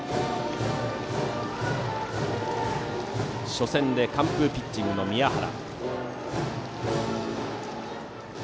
初戦で完封ピッチングの宮原。